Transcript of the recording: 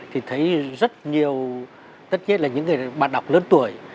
thì thấy rất nhiều tất nhiên là những người bạn đọc lớn tuổi